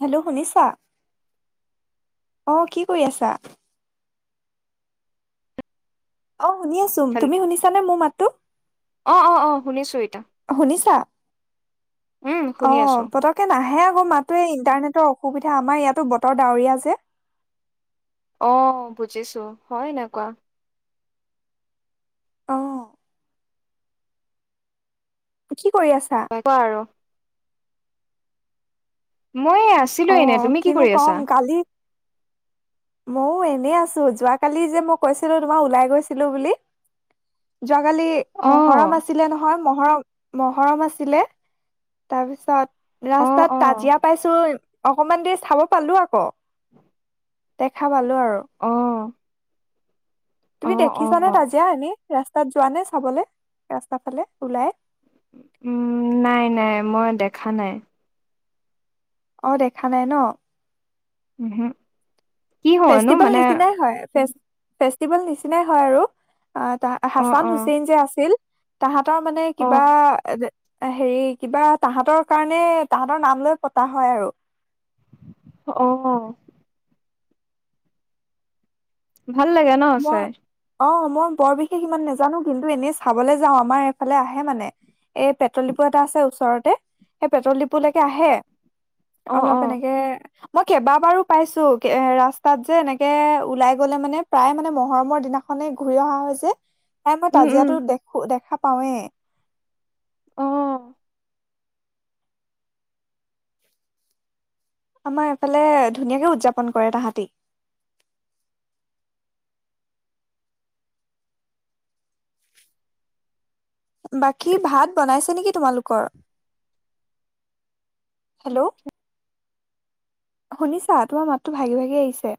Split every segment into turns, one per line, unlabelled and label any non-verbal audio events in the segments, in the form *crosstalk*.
Hello শুনিছা, আহ কি কৰি আছা? অ, শুনি আছো। তুমি শুনিছা নে মোৰ মাতটো?
অ-অ-অ শুনিছো এতা
শুনিছা? অ, পতকে নাহে আকৌ মাতোয়ে ইণ্টাৰনেট অসুবিধা আমাৰ ইয়াতো বতৰ ডাৱৰীয়া যে
আহ বুজিছো হয় এনেকুৱা।
আহ *inaudible*
ত কোৱা আৰু মই আছিলো এনে
আহ
তুমি কি
কিনো
কৰি আছা
কম কালি ময়ও এনে আছো যোৱ কালি যে মই কৈছিলো, তোমাৰ ওলাই গৈছিলো বুলি। যোৱাকালি
অ
মহৰম আছিলে নহয়, মহৰম। মহৰম আছিলে, তাৰপিছত
অ
ৰাস্তাত
অ
তাজিয়া পাইছোঁ অকমান দেৰি চাব পালোঁ আকৌ। দেখা পালোঁ আৰু।
অ অ
তুমি
অ
দেখিছানে তাজিয়া এনে? ৰাস্তাত যোৱানে চাবলে? ৰাস্তাফালে ওলাই?
উম, নাই, নাই মই দেখা নাই।
অ', দেখা নাই ন?
*unintelligible* হয়নো
ফেষ্টিভেল
মানে
নিচিনাই হয়। ফেচ-ফেচ ফেষ্টিভেল নিচিনাই হয়, আৰু আ,
অ
হাছান
অ
হুছেইন যে, আছিল তাহাত তাৰ মানে
অ
কিবা এদে হেৰি কিবা তাহাঁতৰ কাৰণে, তাহাঁতৰ নাম লৈ পতা হয়, আৰু।
অ' ভাল লাগে ন
মই
চাই।
অ মই বৰ বিশেষ ইমান নাজানো কিন্তু এনেই চাবলৈ যাওঁ আমাৰ এইফালে আহে মানে। এ পেট্ৰল ডিপু এটা আছে ওচৰতে। সেই পেট্ৰল ডিপুলৈকে আহে।
অ অ
অলপ এনেকে মই কেইবাবাৰো পাইছোঁ। এ ৰাস্তাত যে এনেকে ওলাই গ'লে মানে। প্ৰায় মানে মহৰমৰ দিনাখনে ঘূৰি অহা হৈছে। প্ৰায় মই
উম উম
তাজিয়াতটো দেখো দেখা পাওঁৱে।
অ'।
আমাৰ এফালে, ধুনীয়াকে উদযাপন কৰে তাহাঁতি। বাকী, ভাত বনাইছে নেকি তোমালোকৰ? হেল্ল? শুনিছা? তোমাৰ মাতটো ভাগি ভাগি আহিছে।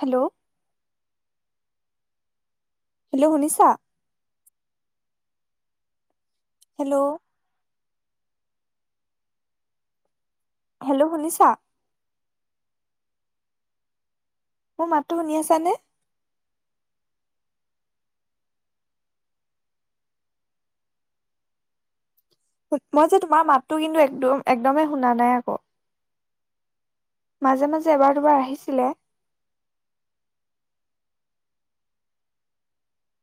হেল্ল। হেল্ল' শুনিছা? হেল্ল? হেল্ল' শুনিছা? মোৰ মাতটো শুনি আছানে? মই যে তোমাৰ মাতটো কিন্তু একদম, একদমেই শুনা নাই আক। মাজে মাজে এবাৰ দুবাৰ আহিছিলে।